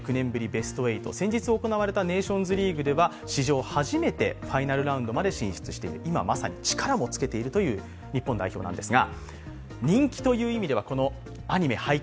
ベスト８、先日行われたネーションズリーグでは史上初めてファイナルラウンドまで進出している、今まさに力もつけているという日本代表なんですが。